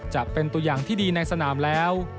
จะเป็นตัวอย่างที่ดีในสนามแล้ว